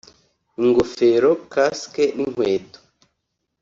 ingofero(casques) n’inkweto